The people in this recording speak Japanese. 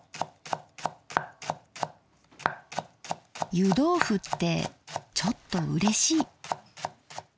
湯どうふってちょっとうれしい。